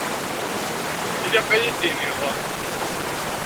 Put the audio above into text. Ilaq ad yi-d-tiniḍ.